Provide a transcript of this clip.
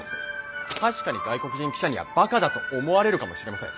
確かに外国人記者にはバカだと思われるかもしれません。